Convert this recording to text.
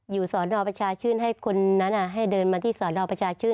สอนอประชาชื่นให้คนนั้นให้เดินมาที่สอนอประชาชื่น